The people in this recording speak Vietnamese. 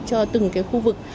cho từng cái khu vực